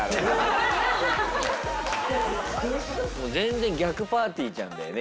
もう全然逆ぱーてぃーちゃんだよね